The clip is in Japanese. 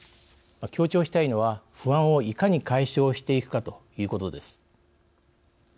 強調したいのは不安をいかに解消していくかということです。